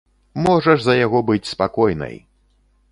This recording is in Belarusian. Можаш за яго быць спакойнай!